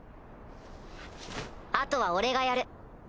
あとは俺がやる。